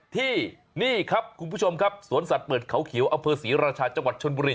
ที่นี่ครับคุณผู้ชมครับสวนสัตว์เปิดเขาเขียวอเภอศรีราชาจังหวัดชนบุรี